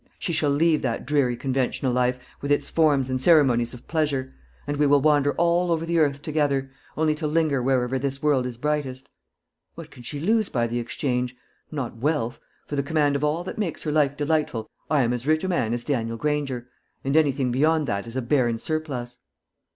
She shall leave that dreary conventional life, with its forms and ceremonies of pleasure; and we will wander all over the earth together, only to linger wherever this world is brightest. What can she lose by the exchange? Not wealth. For the command of all that makes life delightful, I am as rich a man as Daniel Granger, and anything beyond that is a barren surplus.